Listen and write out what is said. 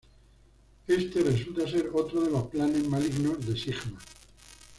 Éste resulta ser otro de los planes malignos de Sigma.